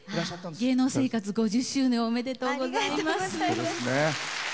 芸能生活５０周年おめでとうございます。